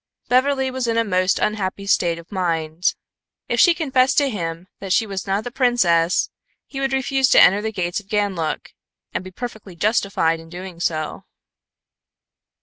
Beverly was in a most unhappy state of mind. If she confessed to him that she was not the princess, he would refuse to enter the gates of Ganlook, and be perfectly justified in doing so.